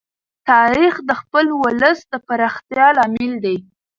تاریخ د خپل ولس د پراختیا لامل دی.